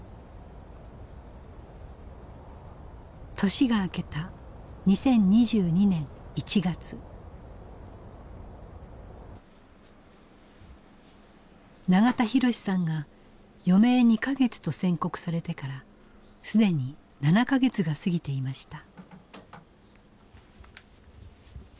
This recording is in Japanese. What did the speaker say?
年が明けた永田博さんが余命２か月と宣告されてから既に７か月が過ぎていました。